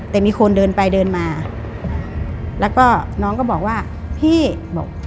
แต่มีคนเดินไปเดินมาแล้วก็น้องก็บอกว่าพี่บอก